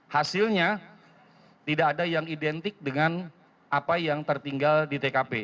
hasilnya tidak ada yang identik dengan apa yang tertinggal di tkp